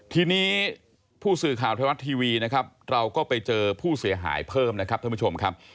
ทีนี้ผู้สื่อข่าวไทยรัฐทีวีนะครับเราก็ไปเจอผู้เสียหายเพิ่มนะครับท่านผู้ชมครับ